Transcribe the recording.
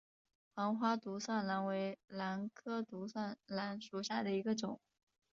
黄花独蒜兰为兰科独蒜兰属下的一个种。